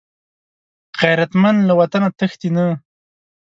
غیرتمند له وطنه تښتي نه